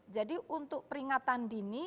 jadi untuk peringatan dini